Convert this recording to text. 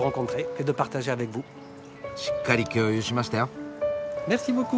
しっかり共有しましたよ。